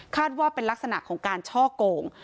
ว่าเป็นลักษณะของการช่อโกง